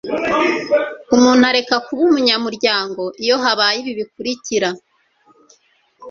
umuntu areka kuba umunyamuryango iyo habaye ibi bikurikira